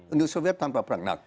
uni soviet tanpa perang